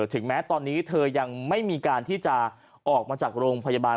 ถึงแม้ตอนนี้เธอยังไม่มีการที่จะออกมาจากโรงพยาบาล